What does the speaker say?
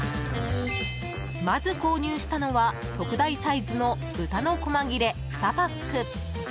まず購入したのは特大サイズの豚の細切れ２パック。